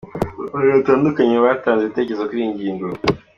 Abantu batandukanye batanze ibitekerezo kuri iyi ngingo.